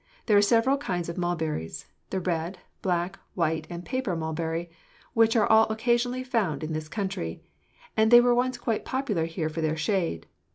There are several kinds of mulberries the red, black, white and paper mulberry, which are all occasionally found in this country, and they were once quite popular here for their shade.